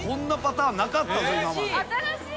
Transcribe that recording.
新しい。